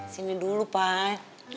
sini dulu pak